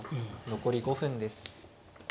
残り５分です。